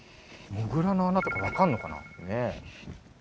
モグラの穴とかわかんのかな？